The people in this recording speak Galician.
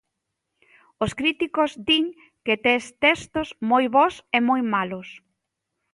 Os críticos din que tes textos moi bos e moi malos.